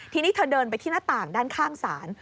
ทีนี้เธอเดินไปที่หน้าต่างด้านข้างศาล